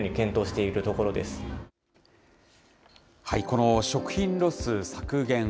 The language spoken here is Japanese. この食品ロス削減。